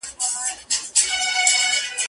په رباتونو کي پېغور د پاتېدو نه لرو